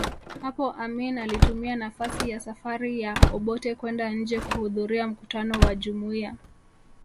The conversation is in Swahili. Hapo Amin alitumia nafasi ya safari ya Obote kwenda nje kuhudhuria mkutano wa Jumuiya